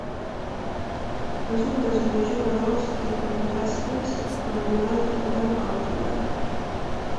És un dels vuit jugadors de Cornhuskers a guanyar el Trofeu Outland.